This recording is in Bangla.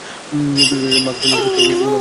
উদ্ভিদকোষে মাকুতন্ত্র সৃষ্টি হয় কোন অঙ্গাণু থেকে?